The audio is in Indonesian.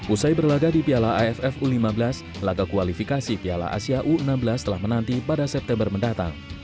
usai berlaga di piala aff u lima belas laga kualifikasi piala asia u enam belas telah menanti pada september mendatang